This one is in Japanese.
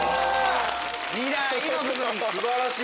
素晴らしい！